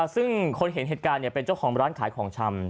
ซึ่งคนเห็นเหตุการณ์เป็นเจ้าของร้านขายของชำ